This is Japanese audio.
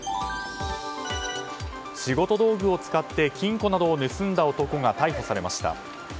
仕事道具を使って金庫などを盗んだ男が逮捕されました。